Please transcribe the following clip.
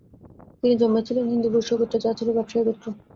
তিনি জন্মেছিলেন হিন্দু বৈশ্য গোত্রে, যা ছিল ব্যবসায়ী গোত্র।